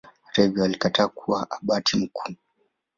Hata hivyo alikataa kuwa Abati mkuu.